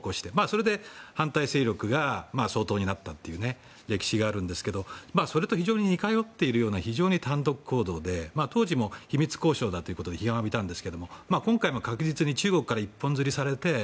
それで反対勢力が総統になったという歴史があるんですがそれと非常に似通っているような単独行動で当時も秘密交渉だということで批判を浴びましたが今回も確実に中国から一本釣りされて。